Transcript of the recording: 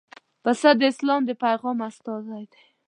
پسه د اسلام د پیغام استازی دی.